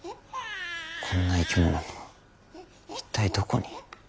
こんな生き物一体どこに。